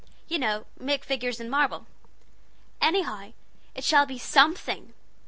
you know make figures in marble. Anyhow it shall be something.